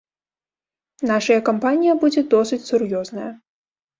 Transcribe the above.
Нашая кампанія будзе досыць сур'ёзная.